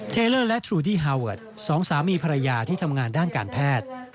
เทเลอร์และทรูดี้ฮาเวิร์ดสองสามีภรรยาที่ทำงานด้านการแพทย์